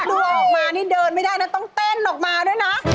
ดูออกมานี่เดินไม่ได้นะต้องเต้นออกมาด้วยนะ